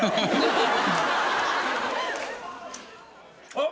あっ！